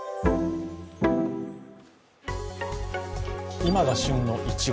今が旬のいちご。